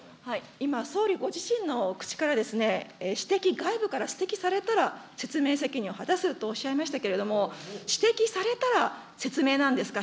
今、総理ご自身の口からですね、指摘、外部から指摘されたら説明責任を果たすとおっしゃいましたけれども、指摘されたら説明なんですか。